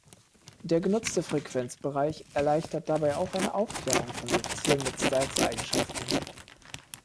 Der genutzte Frequenzbereich erleichtert dabei auch eine Aufklärung von Luftzielen mit Stealth-Eigenschaften.